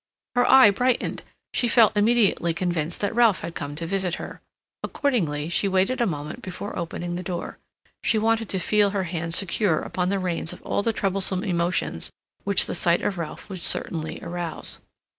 Her eye brightened; she felt immediately convinced that Ralph had come to visit her. Accordingly, she waited a moment before opening the door; she wanted to feel her hands secure upon the reins of all the troublesome emotions which the sight of Ralph would certainly arouse.